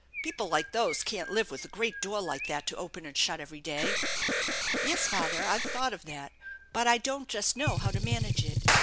People like those can't live with a great door like that to open and shut every day." " Yes, father, I've thought of that, but I don't just know how to manage it.